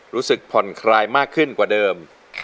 รู้สึกผ่อนคลายมากขึ้นกว่าเดิม